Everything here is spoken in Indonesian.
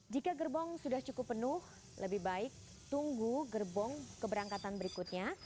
jika gerbong sudah cukup penuh lebih baik tunggu gerbong keberangkatan berikutnya